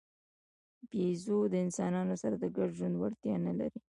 بیزو د انسانانو سره د ګډ ژوند وړتیا نه لري.